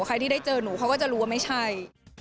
ใครที่ได้เจอหนูเขาก็จะรู้ว่าไม่ใช่